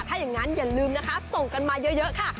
ถ้าอย่างนั้นอย่าลืมนะคะส่งกันมาเยอะค่ะ